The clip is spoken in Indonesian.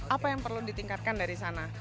apa yang perlu ditingkatkan dari sana